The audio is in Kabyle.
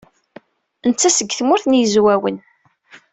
Netta seg Tmurt n Yizwawen.